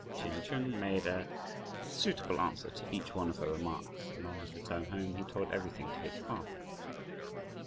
Ch'in Chung made a suitable answer to each one of her remarks, and on his return home he told everything to his father.